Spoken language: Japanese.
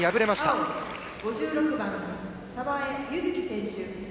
青５６番澤江優月選手。